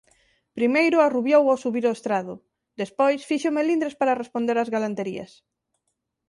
Primeiro arrubiou ó subir ó estrado; despois fixo melindres para responder ás galanterías.